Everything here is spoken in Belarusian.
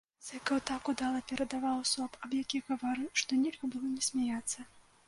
Зыкаў так удала перадаваў асоб, аб якіх гаварыў, што нельга было не смяяцца.